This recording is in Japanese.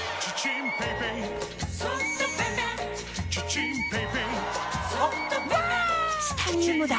チタニウムだ！